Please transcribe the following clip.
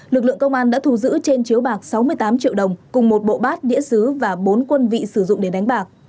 lực lượng công an đã thu giữ trên chiếu bạc sáu mươi tám triệu đồng cùng một bộ bát đĩa xứ và bốn quân vị sử dụng để đánh bạc